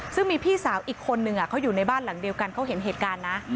ซึ่งมีพี่สาวอีกคนนึงเขาอยู่ในบ้านหลังเดียวกันเขาเห็นเหตุการณ์นะ